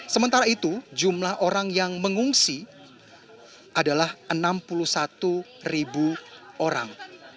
sementara itu jumlah orang yang mengungsi adalah enam puluh satu ribu orang